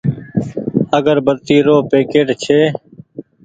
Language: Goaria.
اگربتي رو پيڪيٽ ڇي۔